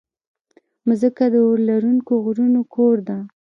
مځکه د اورلرونکو غرونو کور ده.